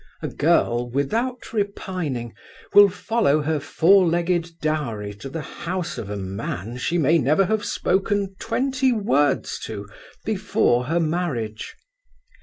A girl, without repining, will follow her four legged dowry to the house of a man she may never have spoken twenty words to before her marriage.